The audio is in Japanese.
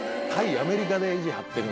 アメリカで意地張ってるんだこれ。